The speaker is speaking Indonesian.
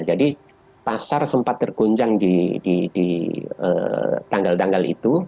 jadi pasar sempat tergoncang di tanggal tanggal itu